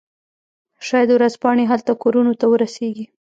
شاید ورځپاڼې هلته کورونو ته ورسیږي